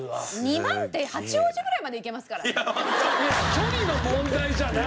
距離の問題じゃないんですよ。